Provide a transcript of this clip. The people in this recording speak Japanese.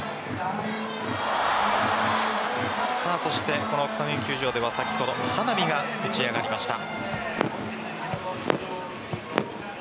そして、この草薙球場では先ほど花火が打ち上がりました。